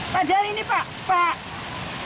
padahal ini pak pak